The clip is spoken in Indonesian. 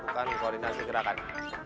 kita akan lakukan koordinasi gerakan